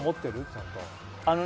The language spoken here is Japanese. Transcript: ちゃんと。